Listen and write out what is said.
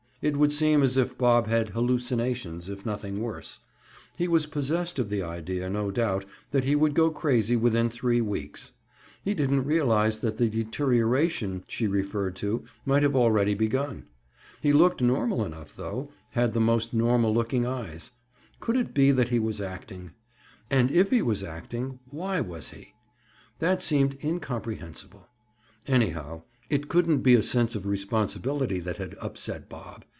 It would seem as if Bob had "hallucinations," if nothing worse. He was possessed of the idea, no doubt, that he would go crazy within three weeks. He didn't realize that the "deterioration," she referred to, might have already begun. He looked normal enough, though, had the most normal looking eyes. Could it be that he was acting? And if he was acting, why was he? That seemed incomprehensible. Anyhow, it couldn't be a sense of responsibility that had "upset" Bob.